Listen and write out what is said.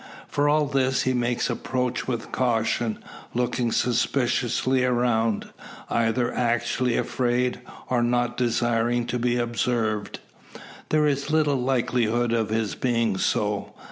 For all this he makes approach with caution, looking suspiciously around either actually afraid, or not desiring to be observed. There is little likelihood of his being so.